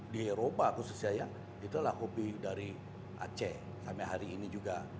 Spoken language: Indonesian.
di eropa khususnya ya itulah hobi dari aceh sampai hari ini juga